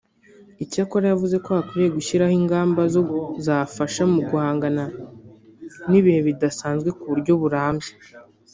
Icyakora yavuze ko hakwiriye gushyiraho ingamba zo zafasha mu guhangana n’ibihe bidasanzwe ku buryo burambye